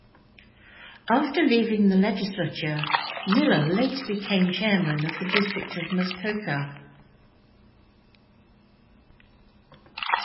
After leaving the legislature, Miller later became chairman of the District of Muskoka.